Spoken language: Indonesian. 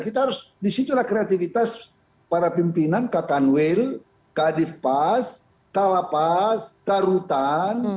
kita harus disitulah kreativitas para pimpinan kak tanwil kak adif pas kak lapaas kak rutan